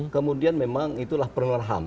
kemudian memang itulah penularan ham